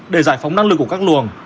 để giải phóng năng lực của các luồng